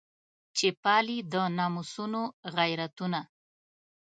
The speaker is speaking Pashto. چې پالي د ناموسونو غیرتونه.